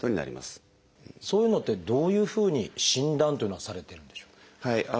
そういうのってどういうふうに診断というのはされてるんでしょう？